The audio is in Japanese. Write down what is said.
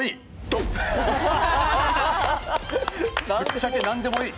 ぶっちゃけ「なんでもいい！」。